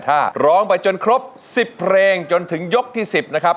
ถ้าร้องไปจนครบ๑๐เพลงจนถึงยกที่๑๐นะครับ